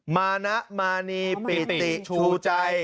มานะมานีปิติชูใจ